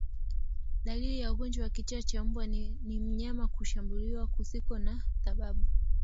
Dalili ya ugonjwa wa kichaa cha mbwa ni mnyama kushambulia kusiko na sababu